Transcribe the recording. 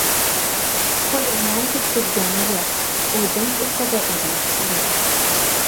— Qo‘liniyam tekkizgani yo‘q, o‘zim ustida edim! — dedi.